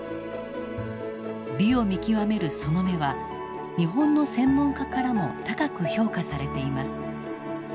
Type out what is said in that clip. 美を見極めるその眼は日本の専門家からも高く評価されています。